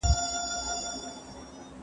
ولي خلګ پېښې د ارباب کار بولي؟